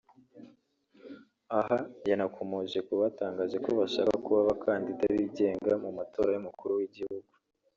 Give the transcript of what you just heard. Aha yanakomoje ku batangaje ko bashaka kuba abakandida bigenga mu matora y’Umukuru w’Igihugu